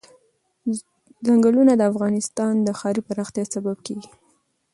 چنګلونه د افغانستان د ښاري پراختیا سبب کېږي.